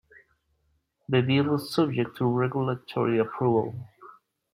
The deal is subject to regulatory approval.